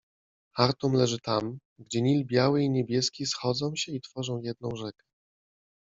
- Chartum leży tam, gdzie Nil Biały i Niebieski schodzą się i tworzą jedną rzekę.